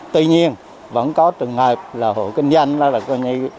tuy nhiên vẫn có trường hợp là hộ kinh doanh